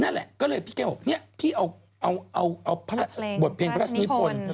นั่นแหละก็เลยพี่แก้วบอกเนี่ยพี่เอาบทเพลงพระราชนิพล